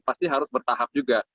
pasti harus bertahap juga